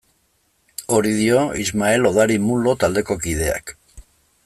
Hori dio Ismael Odari Mulo taldeko kideak.